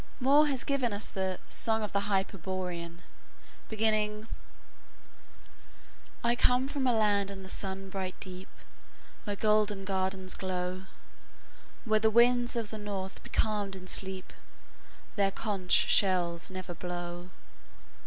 Moore has given us the "Song of a Hyperborean," beginning "I come from a land in the sun bright deep, Where golden gardens glow, Where the winds of the north, becalmed in sleep, Their conch shells never blow."